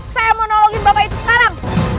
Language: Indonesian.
saya mau nolongin bapak itu sekarang